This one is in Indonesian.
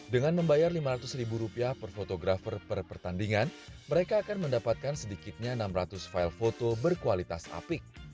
dengan membayar lima ratus ribu rupiah per fotografer per pertandingan mereka akan mendapatkan sedikitnya enam ratus file foto berkualitas apik